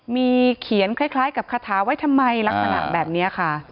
มีเขียนคล้ายกับคาถาไว้ทำไมลักษณะแบบนี้ค่ะ